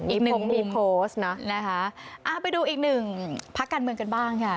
อีกหนึ่งโพสต์นะนะคะอ่าไปดูอีกหนึ่งพักการเมืองกันบ้างค่ะ